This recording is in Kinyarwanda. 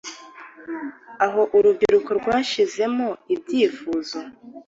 Aho Urubyiruko rwashizemo ibyifuzo,